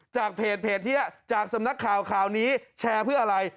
เพจนี้จากสำนักข่าวข่าวนี้แชร์เพื่ออะไร